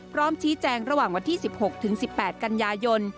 พร้อมชี้แจงระหว่างวันที่๑๖ถึง๑๘กันยายน